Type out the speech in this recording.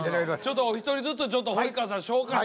ちょっとお一人ずつちょっと堀川さん紹介していって。